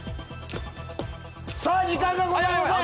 さぁ時間がございません！